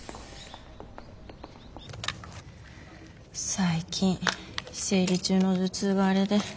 最近生理中の頭痛があれで。